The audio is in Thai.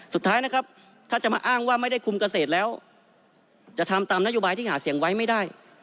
สุดท้ายนะครับถ้าจะมาอ้างว่าไม่ได้คุมเกษตรแล้วจะทำตามนโยบายที่หาเสียงไว้ไม่ได้